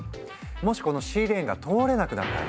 もしこのシーレーンが通れなくなったら？